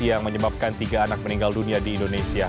yang menyebabkan tiga anak meninggal dunia di indonesia